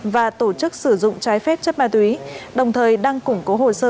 và tổ chức sử dụng trái phép chất ma túy đồng thời đang củng cố hồ sơ